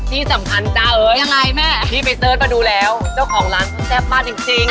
ที่สำคัญจ้าเอิ้นที่ไปเสิร์ชมาดูแล้วเจ้าของร้านสุดแซ่บมากจริง